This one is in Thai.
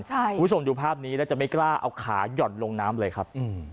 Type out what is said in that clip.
คุณผู้ชมดูภาพนี้แล้วจะไม่กล้าเอาขาย่อนลงน้ำเลยครับ